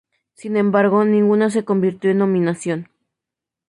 Sin embargo, ninguna se convirtió en nominación.